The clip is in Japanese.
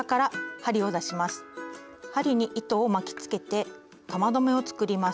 針に糸を巻きつけて玉留めを作ります。